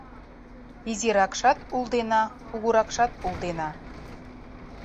Изиракшат улдена, кугуракшат улдена: